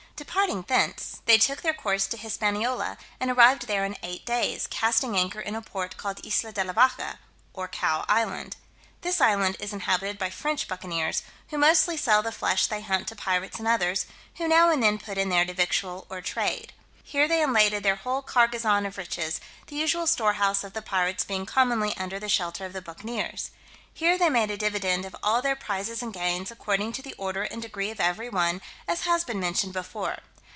Departing thence, they took their course to Hispaniola, and arrived there in eight days, casting anchor in a port called Isla de la Vacca, or Cow Island. This island is inhabited by French bucaniers, who mostly sell the flesh they hunt to pirates and others, who now and then put in there to victual, or trade. Here they unladed their whole cargazon of riches, the usual storehouse of the pirates being commonly under the shelter of the bucaniers. Here they made a dividend of all their prizes and gains, according to the order and degree of every one, as has been mentioned before.